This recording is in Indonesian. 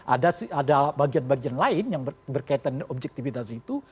ada bagian bagian lain yang berkaitan objektifitas itu